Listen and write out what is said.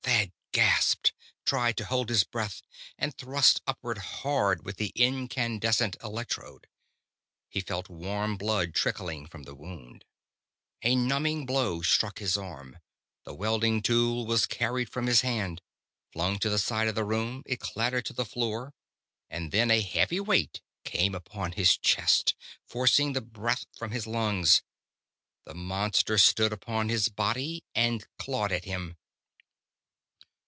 Thad gasped, tried to hold his breath, and thrust upward hard with the incandescent electrode. He felt warm blood trickling from the wound. A numbing blow struck his arm. The welding tool was carried from his hand. Flung to the side of the room, it clattered to the floor; and then a heavy weight came upon his chest, forcing the breath from his lungs. The monster stood upon his body and clawed at him.